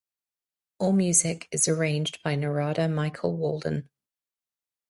All music is arranged by Narada Michael Walden.